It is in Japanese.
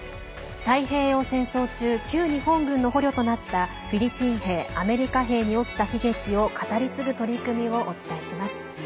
太平洋戦争中旧日本軍の捕虜となったフィリピン兵、アメリカ兵に起きた悲劇を語り継ぐ取り組みをお伝えします。